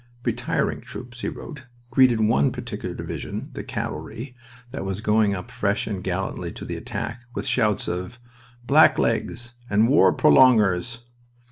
"Retiring troops," he wrote, "greeted one particular division (the cavalry) that was going up fresh and gallantly to the attack, with shouts of 'Blacklegs!' and 'War prolongers!"'